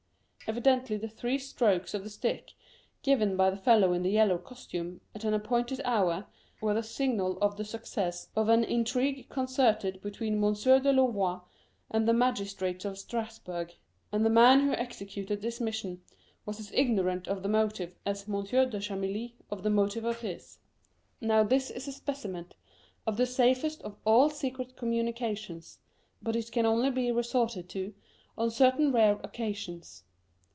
Evidently the three strokes of the stick given by the fellow in yellow costume, at an appointed hour, were the signal of the success of an intrigue concerted between M. de Louvois and the magistrates of Strasbourg, and the man who executed this mission was as ignorant of the motive as was M. de Chamilly of the motive of his. 18 Curiosities of Cypher Now this is a specimen of the safest of all secret communications, but it can only be resorted to on certain rare occasions.